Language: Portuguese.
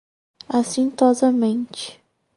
acintosamente